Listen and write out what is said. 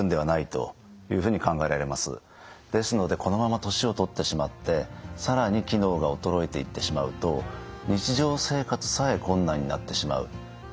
ですのでこのまま年を取ってしまって更に機能が衰えていってしまうと日常生活さえ困難になってしまうそういうリスクがあります。